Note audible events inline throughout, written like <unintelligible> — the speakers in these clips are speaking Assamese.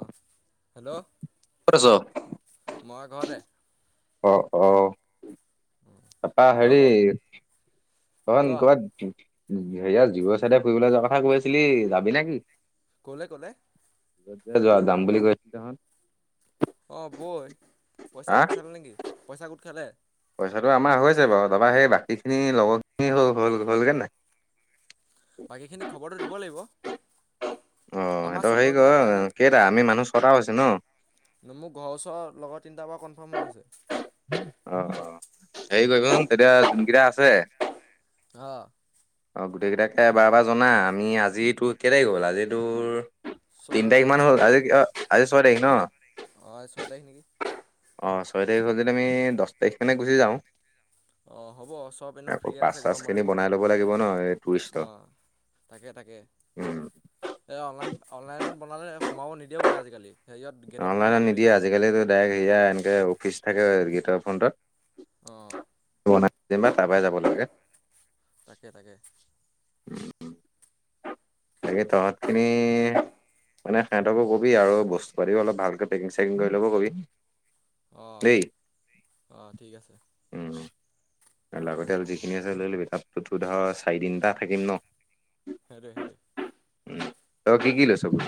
অ', হেল্ল'। ক'ত আছ? মই ঘৰতে। অ', অ'। তাৰপা তই ক হেৰি ক ক'বাত হেয়া জীবৰ চাইডে ফুৰিবলৈ যোৱাৰ কথা কৈ আছিলি যাবি নে কি? ক'লে ক'লে? <unintelligible> যোৱা যাম বুলি কৈছিল নহয়। অ', বৈ পইচা হা গোট খালে নেকি পইচা গোট খালে? পইচাটো আমাৰ হৈছে বাৰু তাৰপৰা সেই বাকীখিনি লগৰখিনি হ-হ'ল-হ'লগৈ নাই? বাকীখিনিক খবৰটো দিব লাগিব। অ', আমাৰ সিহঁতৰ হেৰি চুকৰকেইটা কৰ ফাইনেল কেইটা অ আমি মানুহ ছয়টা হৈছে ন। মোৰ ঘৰ ওচৰ লগৰ তিনিটাৰ বাৰু কনফাৰ্ম হৈ আছে। অ', অ', হেৰি উম কৰিবাছোন তেতিয়া যোনকেইটা আছে। অ'। অ', গোটেইকেইটাকে এবাৰ এবাৰ জনা। আমি আজি কেই তাৰিখ হ'ল আজি তোৰ ছয় তিন তাৰিখ মান ছয় হ'ল আজি নেকি অ' আজি ছয় তাৰিখ ন? হে অ আজি ছয় তাৰিখ নেকি অ', ছয় তাৰিখ হ'ল যদি আমি দহ তাৰিখ মানে গুচি যাওঁ। অ', হ'ব চব এনেও আকৌ ফ্ৰিয় পাচ আছে চাচ গৰম বন্ধ খিনি বনাই ল'ব লাগিব ন এই টুৰিষ্টৰ অ'। তাকে তাকে উম এই অনলাইন অনলাইনত বনালে সোমাব নিদিয়ে বোলে আজিকালি। হেৰিয়ত অ', গেটত অনলাইনত বনাবগৈ লাগিব নিদিয়ে আজিকালিতো ডাইৰেক্ট সেয়া এনেকে অফিচ থাকে গীটৰ ফ্ৰণ্টত। অ'। <unintelligible> তাৰ পৰাই যাব লাগে। তাকে তাকে। তাকে তহঁতখিনি মানে সিহঁতও কবি আৰু বস্তু পাতিও অলপ ভালকৈ পেকিং চেকিং কৰি ল'ব কবি। অ', দেই অ', ঠিক আছে। উম। লাগতিয়াল যিখিনি আছে লৈ লবি তাতটো তোৰ ধৰ চাৰি দিন তাত থাকিম ন। হেতুৱে, হেতুৱে। উম, তই কি কি লৈয়ছ বোলো।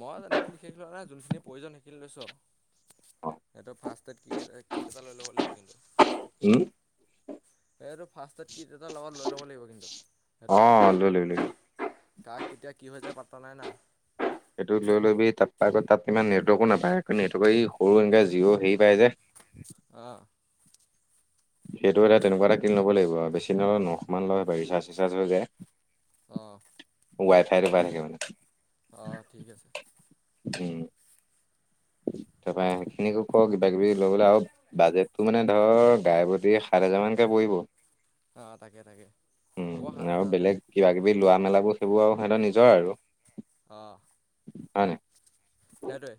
মই তেনেকে বিশেষ লোৱা নাই, যোনখিনি প্ৰয়োজন হেইখিনি লৈছো অ আ। এটা ফাৰ্ষ্ট ট্ৰেক কিট এটা লৈ ল'ব লাগিব কিন্তু। উম। সেইটো ফাৰ্ষ্টতেড কিট এটা লগত লৈ ল'ব লাগিব। কিন্তু, সেইটো অ মই লৈছোঁ। লৈ ল'বি লৈ ল'বি কাৰ কেতিয়া কি হৈ যায় পাতা নাই না। সেইটো লৈ লবি, তাত আগত তাত ইমান নেটৱৰ্কো নাপায়, নেটৱৰ্ক এই সৰু এনেকৈ জিঅ' হেৰি পায় যে অ' সেইটো এটা তেনেকুৱা এটা কিন ল'ব লাগিব আৰু বেছি নলেও নখমান লয় ৰিচাৰ্জ চিচাজ হৈ যায়। অ' ৱাইফাইৰটো পাই থাকে মানে। অ' ঠিক আছে। উম। তাৰপৰা ইহঁত সিনিকো কৰ কিবা কিবি লৈ গ'লে অ'। বাজেটটো মানে ধৰ গাই প্ৰতিয়ে সাত হেজাৰমানানকৈ পৰিব। অ' তাকে তাকে উম হ'ব সাত আৰু হেজাৰ যদি। বেলেগ কিবা কিবি লোৱা মেলাবোৰ সেইবোৰ আৰু সিহঁতৰ নিজৰ আৰু। অ' হয় নেকি। সেইটোৱে।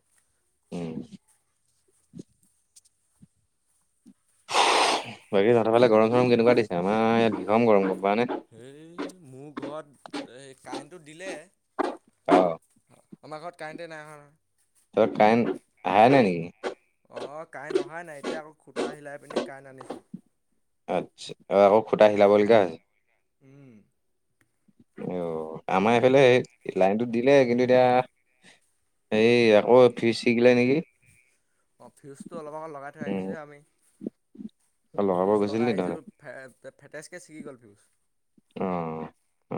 উম। বাকী তহতৰ ফালে গৰম চৰম কেনেকুৱা দিছে? আমাৰ ইয়াত ভীষণ গৰম গ'ম পাৱ নে। হেই মোৰ ঘৰত এই কাৰেণ্টটো দিলে। অ আমাৰ ঘৰত কাৰেণ্টেই নাই অহ নহয়। তহ'ত কাৰেণ্ট আহা নাই নেকি। অ' কাৰেণ্ট অহাই নাই, এতিয়া আকৌ সূটা হিলাই পিনি কাৰেণ্ট আনিছোঁ। আচ্ছা, আৰু আকৌ সূটা হিলাবলগীয়া আ হৈছে। উম। অ' আমাৰ এইফালে লাইনটোত দিলে। কিন্তু, এতিয়া। এই আকৌ ফিজ চিগিলে নেকি? অ' ফিউজটো অলপ আগ লগাই থৈ উম আহিছো আমি অ', লগাব ফিউজ গৈছিল লগাই নি আহিছোঁ। তহঁতে ফে, ফেটজকৈ ছিগি গ'ল ফিউচ। অ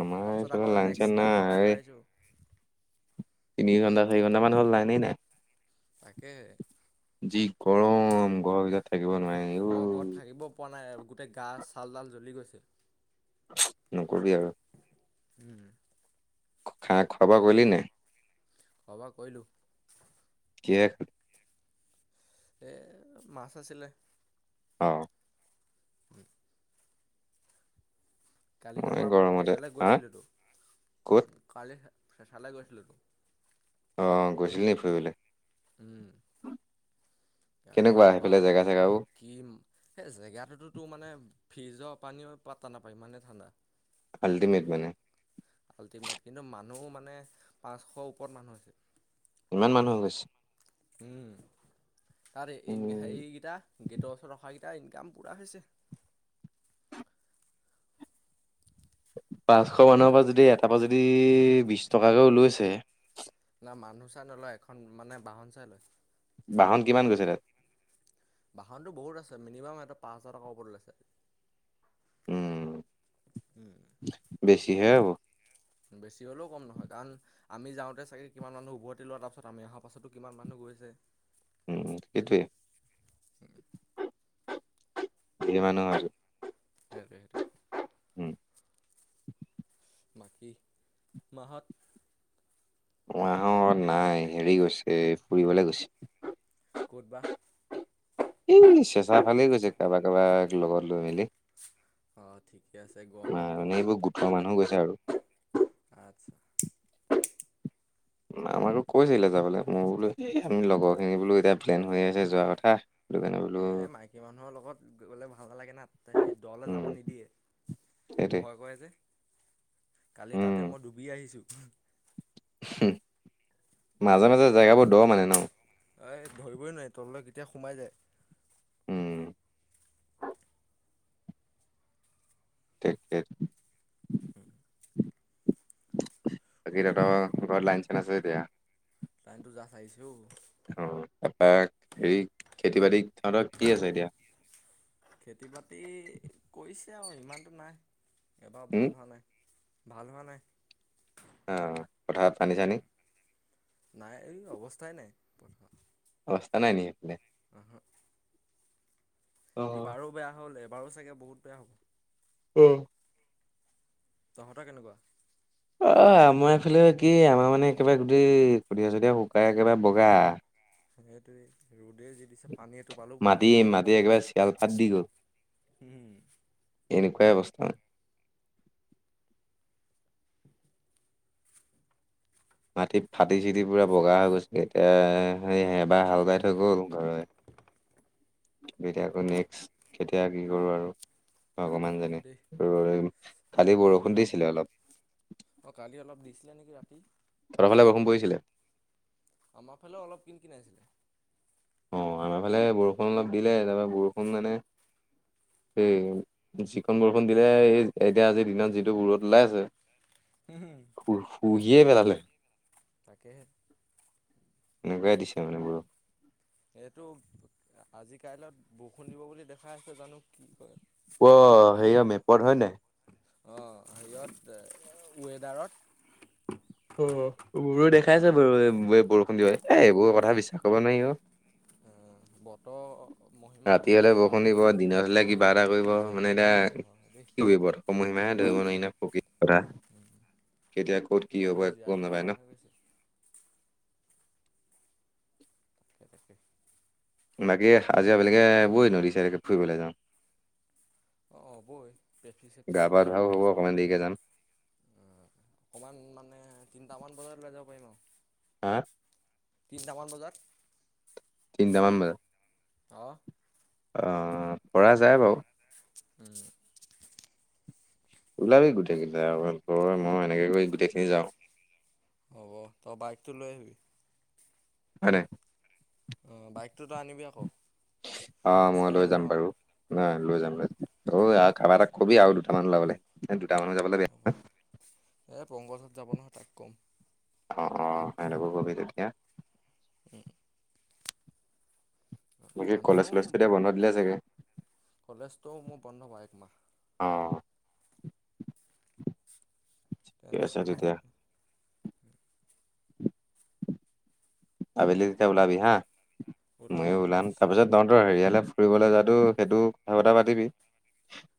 আমাৰ তাৰপিছত এইফালে আকৌ লাইন চাইন নাই নেক্সটডাল লগাই এই থৈ আহিছোঁ। তিনি ঘণ্টা, চাৰি ঘণ্টা মান হ'ল লাইনে নাই। তাকে। যি গৰম ঘৰ ভিতৰত। থাকিব মই নোৱাৰি ঔ ঘৰত থাকিব পৰা নাই আৰু গোটেই গা চালডাল জ্বলি গৈছে। কি কবি আৰু। উম। খানা খোৱা বোৱা কৰিলে নে নাই। খোৱা বোৱা কৰিলোঁ। কিহে? এ মাছ আছিলে। অ' <unintelligible> কালি মই তাৰপৰা গৰমতে হেৰিয়লৈ হা গৈছিলোঁতো, ক'ত কালি চেঁচালৈ গৈছিলোঁতো। অ' গৈছিল নেকি ফুৰিবলৈ। উম, কালি কেনেকুৱা সেইফালে জেগা বাপৰে চেগাও কি সেই জেগাটোতো তো মানে ফ্ৰিজৰ পানীও পাতা নাপায় ইমানেই ঠাণ্ডা। আল্টিমেট মানে। আল্টিমেট কিন্তু মানুহ মানে পাঁচশ ওপৰত মানুহ হৈছে। ইমান মানুহ হৈ গৈছে? তাত হেৰিকেইটা উম গেটৰ ওচৰত ৰখাকেইটা ইনকাম পুৰা হৈছে। পাঁচশ মানুহৰ পৰা যদি এটাৰ পৰা যদি বিশ টকাকেও লৈছে। ন মানুহ চাই নলয় এখন মানে বাহন চাই লৈছে। বাহন কিমান গৈছে তাত? বাহনটো বহুত‌ আছে মিনিমাম সিহঁতৰ পাঁচ হাজাৰ টকাৰ ওপৰত লৈছে। উম। উম, বেছিহে হ'ব বেছি হ'লেও কম নহয়। কাৰণ আমি যাওঁতে চাগে কিমান মানুহ উভতি লোৱাৰ তাৰপাছত আমি অহাৰ পাছতো কিমান মানুহ গৈছে। উম, সেটোৱে। উম। <inaudible> সেতুৱেটো। উম বাকী মাহঁত মাহত নাই হেৰি গৈছে ফুৰিবলে গৈছে। ক'ত বা? এই চেঁচা ফালে গৈছে কাৰোবাক কাৰোবাক লগত লৈ মেলি। অ', ঠিকে আছে মা গৰমত মানে ঘৰতনো এইবোৰ গোটৰ থাকিব মানুহ গৈছে আৰু। কেনেকৈ আচ্ছা। আমাকো কৈছিলে যাবলৈ মোৰ বোলো এই আমি লগৰখিনি বোলো এতিয়া প্লেন হৈ আহিছে যোৱা কথা। সেইটো কাৰণে বোলো তাকে সেই মাইকী মানুহৰ লগত গ'লে ভাল নালাগে না সেই দ'লে উম যাব নিদিয়ে। সেইটোৱে ভয় কৰে যে কালি উম তাতে মই ডুবি আহিছো। মাজে মাজে জেগাবোৰ দ মানে ন? এই ধৰিবই নোৱাৰি তললৈ কেতিয়া সোমাই যায়। উম। তাকে। হু বাকি তহঁতৰ হু ঘৰত লাইন চাইন আছে এতিয়া। কেৰেনটো যাচ আহিছে অও। অ', তাৰাপৰা হেৰি খেতি বাতি সিহঁতৰ কি আছে এতিয়া? খেতি বাতি কৰিছে আৰু ইমানটো নাই এবাৰ উম ভাল হোৱা নাই। ভাল হোৱা নাই! অ', পথাৰত পানী চানী? নাই এই অৱস্থাই নাই পথাৰত। অৱস্থা নাই নিকে সেই পিনে। উহো। অ এইবাৰো বেয়া হ'ল এবাৰো চাগে বহুত বেয়া হ'ব। অ'। তহঁতৰ কেনেকুৱা? অ', আমাৰ ‌এইফালে কি আমাৰ মানে একেবাৰে গোটেই কঠিয়া চঠিয়া শুকাই একেবাৰে বগা। সেটোৱে ৰ'দে যি দিছে পানী এটোপালো পোৱা মাটি মাটি একেবাৰে চিয়াল ফাট দি গ'ল নাই। এনেকুৱাই অৱস্থা। মাটি ফাটি চিটি পুৰা বগা হৈ গৈছে এতিয়া সেই এবাৰ হাল বাই থৈ গ'ল গৰুৱে। <inaudible> তেতিয়া আকৌ নেক্স কেতিয়া কি কৰোঁ আৰু। ভগৱান জানে হয় দেই ৰ'দ কালি মানুহ বৰষুণ দিছিলে অলপ। অ', কালি অলপ দিছিলে নেকি ৰাতি! তঁহতৰ ফালে বৰষুণ পৰিছিলে? আমাৰ ফালেও অলপ কিন কিনাইছে। অ' আমাৰ ফালে বৰষুণ অলপ দিলে তাৰপৰা বৰষুণ মানে সেই যিকন বৰষুন দিলে এই এতিয়া আজিৰ দিনত যিটো ৰদ ওলাইছে। হুম। শু শুহিয়ে পেলালে। তাকেহে। এনেকুৱাই দিছ। উম। এইটো আজি কাইলে বৰষুণ দিব বুলি দেখাই আছে জানো কি কয়। ৱ হেৰিয় মেপত হয় নাই। অ' হেৰিয়ত, অ' ৱেডাৰত। অ' মোৰো দেখাইছে বাৰু বৰষুণ দিব বুলি এ এইবোৰ কথা বিশ্বাস কৰিব নোৱাৰি অ'। বতৰ মহিমা ৰাতি হলে অপাৰ বৰষুণ দিব দিনত হলে কি কিবা এটা কৰিব মানে এতিয়া হয় দেই কি কৰিব এটো সময়সীমায়ে ধৰিব নোৱাৰি না। প্ৰকৃতিৰ কথা, কেতিয়া ক'ত কি মানুহ হ'ব একো জীয়াই গম নাপায় ন। <unintelligible> তাকেহে। বাকী আাজি আবেলিকে বৈ নদি সাইদে কে ফুৰিবলৈ যাওঁ। অঁ বৈ পেপচি চেপচি গা লৈ পা যাতে ধোৱাও বিন্দাছ হ'ব বৈ অকণমান দেৰিকে যাম। অকণমান মানে তিনিটামান বজাত ওলাই যাব পাৰিম আৰু। হা? তিনিটামান বজাত। তিনিটামান বজাত অ'। অ' পৰা যায় বাৰু। উম। ওলাবি গোটেইকেইটাই তই মই এনেকে কৰি গোটেইখিনি যাওঁ। হ'ব তই বাইকটো লৈ আহিবি। হয় নাই। অ' বাইকটোতো আনিবি আকৌ। অ' মই খোজকাঢ়ি লৈ যাম নাযাওঁ বাৰু ন লৈ যাম লৈ যাম তই আৰু কাবা খোজ এতাক কবি আৰু। <unintelligible> সেহেত দুটা মান যাব। হ'ব এই পংকজত যাব নহয় তাক ক'ম। অ' অ' সেহতকো কবি তেতিয়া। উম। নতুন বাকী কলেজ মানুহ, চলেজটো এতিয়া বন্ধ দিলে চাগে কলেজটোও মোৰ বন্ধ বাৰু একমাহ। অ'। ঠিক আছে টেনশ্যন নাই। তেতিয়া আবেলি তেতিয়া ওলাবি হা, ময়ো ওলাম তাৰপিছত তহতৰ হেৰিয়ালে ফুৰিবলৈ যোৱাতো সেইটো কথা চথা পাতিবি।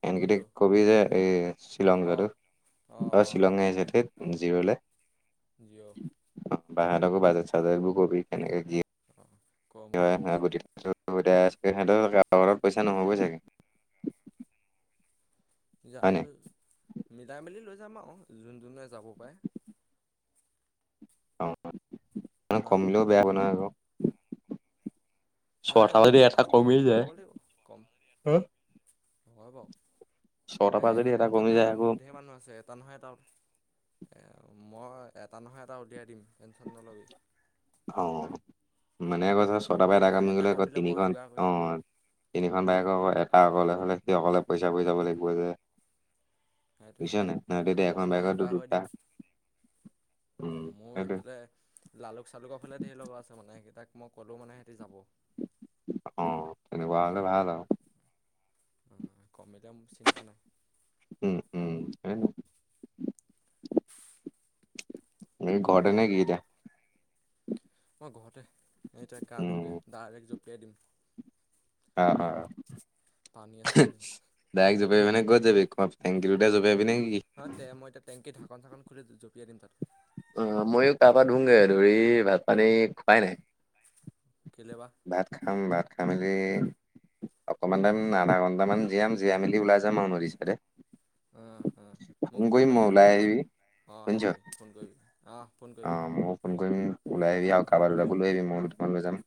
এহেত কিতাক কোনটো কবি যে এই শ্বিলং যোৱাটো অঁ অঁ অ', অঁ শ্বিলং হে আহিছে থেত। জিৰলে। জিঅ' অ' বাহাৰকো বাজাৰ চো কবি কেনেকে কি অ'। কি হয়, <unintelligible> পইচা নহ'বই চাগে! হয় জানো নাই মিলাই মেলি লৈ যাম আৰু যোন, যোনে যাব পাৰে। অ', মানে না কমিলেও বেয়া হ'ব নহয় আকৌ। নাই ছটা যদি এটা কমি জোখৰখিনি যায় হ'ব লাগিব কম, হয়, বাৰু। ছটাৰ পৰা যদি এ এটা কমি টেনশন যায় আকৌ নাই ঢেৰ মানুহ আছে ইয়াত। এটা নহয় এটা আ মই এটা নহয় এটা উলিয়াই দিম টেনশন নল'বি। অ', মানে আকৌ ধ ছটা ব এটা কামি গ'লে আকৌ কমিলে মই তিনিখন যোগাৰ কৰি দিম অ', তিনিখন বাইকৰকৌ একা অকলে হ'লে সেই অকলে পইচা পৰি যাব লাগিব যে। সেইটোৱে, বুজিছ সেইটোৱে, নাই নহয় তেতিয়া মই এখন মই বাইকতো যোগাৰ কৰি দুটা দিম। উম মোৰ সেইটোৱে এইফালে লালুক চালুকৰ ফালে ধেৰ লগ আছে মানে, সেইকেইট মই ক'লোঁ মানে সিহতি যাব। অ', তেনেকুৱা হলে ভাল আৰু। অ', মেডিয়াম চিনটা নাই উম, উম, <unintelligible> ঘৰতে নেকি এতিয়া? মই, ঘৰতে এতিয়া গা উম ধুমগৈ ডাইৰেক্ট জপিয়াই দিম। অ', পানীয়ে চানীয়ে ডাইৰেক জপিয়াই মানে গ'ত যাবি ক টেংক জপিয়াই নে কি? অ', তে মই তাত টেংকী ঢাকন চাকন খুলি জপিয়াই দিম তাত। অ', ময়ো গা পৰা ধুমগৈ ধৰি ভাত পানী খুৱাই নাই। কেলৈ বা? ভাত খাম ভাত খাই মেলি অকণমান টাইম আধা ঘণ্টামান জীয়াম জীয়াই মেলি ওলাই যাম আৰু নদী চাইদে অ', অ', মোক ফোন মই মাৰিবি যোৱা ওলাই আকৌ আহিবি অ', শুনিছ সেইটোৱে ফোন কৰিবি অ', অ', মই ফোন কৰিম ওলাই আহিবি আৰু কাৰোবাৰ দুলাকো লৈ আহিবি মই দুটামান লৈ যাম।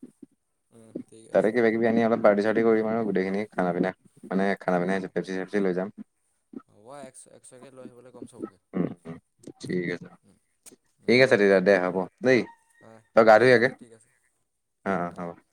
উম, ঠিক তাতে আছে। কিবা কিবি আনি অলপ পাৰ্টি চাৰ্টি কৰিম আৰু, গোটেইখিনি খানা পিনে মান খানা পিনে হ'ব চেচি চেফচি লৈ যাম। হ'ব একশ একশকৈ লৈ আহিবলৈ কম চবকৈ উম, উম। ঠিক আছে উম। ঠিক উম, আছে তেতিয়া দে হ'ব দেই অ', তই গা ধুই ঠিক আগে আছে ঠিক আছে অ',